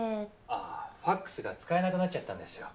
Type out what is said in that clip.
あファックスが使えなくなっちゃったんですよ。